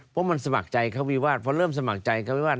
เพราะมันสมัครใจเข้าวิวาสเพราะเริ่มสมัครใจเขาวิวาส